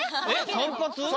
散髪。